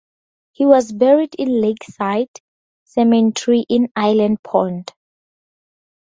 He was buried in Lakeside Cemetery in Island Pond.